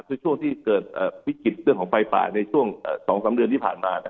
คือช่วงที่เกิดวิกฤตเรื่องของไฟป่าในช่วง๒๓เดือนที่ผ่านมา